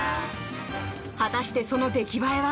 果たして、その出来栄えは？